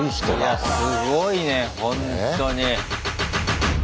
いやすごいねほんとに。